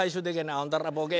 「あほんだらボケ」